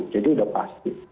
jadi sudah pasti